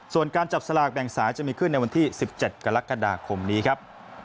ส่วนการจับสลากแบ่งสายจะมีขึ้นในวันที่๑๗กรกฎาคมนี้ครับ